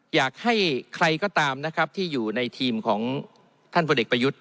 อยากให้ใครก็ตามนะครับที่อยู่ในทีมของท่านพลเอกประยุทธ์